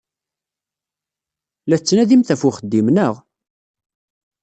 La tettnadimt ɣef uxeddim, naɣ?